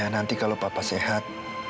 nanti kalau papa sehat